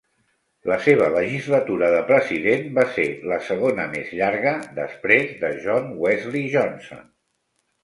La seva legislatura de president va ser la segona més llarga, després de John Wesley Johnson.